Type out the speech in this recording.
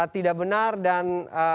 tidak benar dan